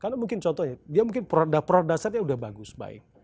karena mungkin contohnya dia mungkin produk produk dasarnya udah bagus baik